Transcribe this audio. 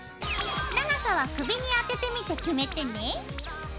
長さは首にあててみて決めてね。